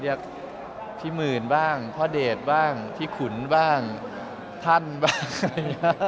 เรียกพี่หมื่นบ้างพ่อเดทบ้างพี่ขุนบ้างท่านบ้าง